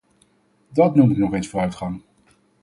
Dat noem ik nog eens vooruitgang.